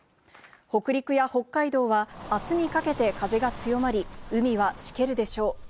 北陸や北海道はあすにかけて風が強まり、海はしけるでしょう。